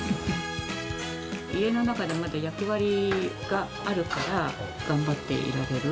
家の中でまだ役割があるから、頑張っていられる。